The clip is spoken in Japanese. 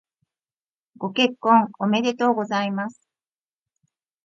ご結婚おめでとうございます。